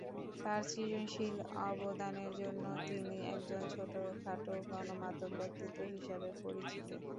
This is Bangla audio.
তার সৃজনশীল অবদানের জন্য তিনি একজন "ছোটখাট গণমাধ্যম ব্যক্তিত্ব" হিসাবে পরিচিত।